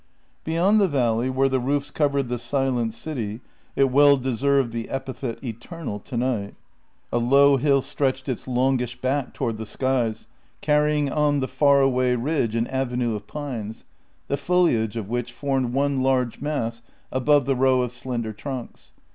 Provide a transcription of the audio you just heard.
Beyond the valley, where the roofs covered the silent city — it well deserved the epithet " eternal " tonight — a low hill stretched its longish back toward the skies, carrying on the JENNY li far away ridge an avenue of pines, the foliage of which formed one large mass above the row of slender trunks.